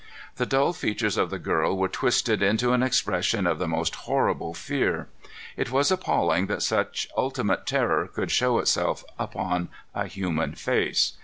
The dull features of the girl were twisted into an expression of the most horrible fear. It was appalling that such ultimate terror could show itself upon a human face.